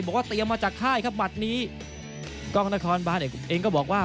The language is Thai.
บอกว่าเตรียมมาจากค่ายครับหมัดนี้กล้องนครบานเองก็บอกว่า